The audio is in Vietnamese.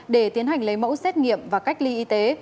để tiến hành lấy mẫu xét nghiệm và cách ly y tế